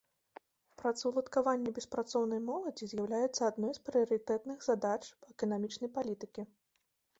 Працаўладкаванне беспрацоўнай моладзі з'яўляецца адной з прыярытэтных задач эканамічнай палітыкі.